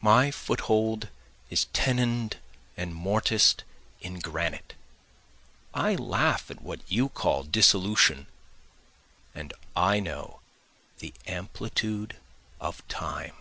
My foothold is tenon'd and mortis'd in granite, I laugh at what you call dissolution, And I know the amplitude of time.